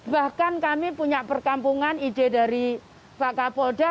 bahkan kami punya perkampungan ide dari pak kapolda